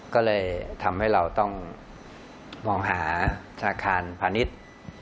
ก็เลยทำให้เราต้องมองหาธนาคารพาณิชย์